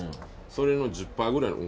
それの１０％ぐらいの運